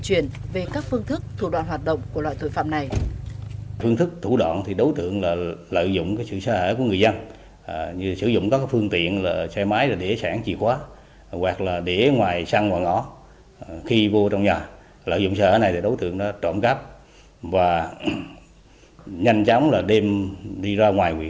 nhiều biện pháp đẩy mạnh công tác tuyên truyền về các phương thức thủ đoạn hoạt động của loại tội phạm này